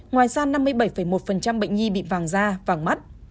ngoài ra năm mươi bảy một bệnh nhi bị vàng da vàng mắt